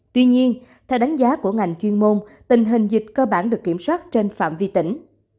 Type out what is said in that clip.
tuy nhiên theo đánh giá của ngành chuyên môn tình hình dịch cơ bản được kiểm soát trên phạm vi tỉnh